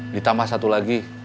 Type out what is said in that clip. ditambah satu lagi